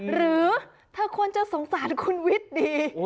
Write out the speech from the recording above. หรือเธอควรจะสงสารคุณวิทย์ดี